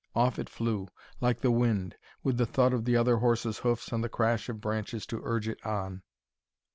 Off it flew, like the wind, with the thud of the other horse's hoofs and the crash of branches to urge it on.